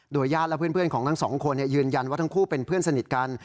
ญาติและเพื่อนของทั้งสองคนยืนยันว่าทั้งคู่เป็นเพื่อนสนิทกัน